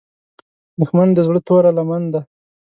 دښمن د زړه توره لمن ده